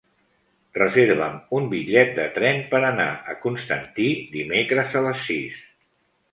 Reserva'm un bitllet de tren per anar a Constantí dimecres a les sis.